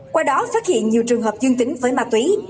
qua đó phát hiện nhiều trường hợp dương tính với ma túy